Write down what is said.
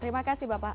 terima kasih bapak